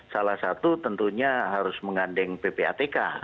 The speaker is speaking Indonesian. salah satu tentunya harus mengandeng ppatk